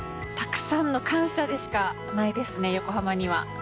たくさんの感謝でしかないですね横浜には。